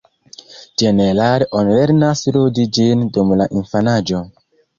Ĝenerale, oni lernas ludi ĝin dum la infanaĝo.